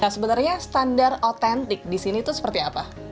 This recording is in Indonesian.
sebenarnya standar otentik di sini itu seperti apa